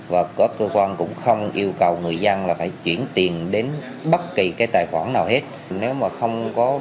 và các cơ quan cũng không yêu cầu người dân là phải chuyển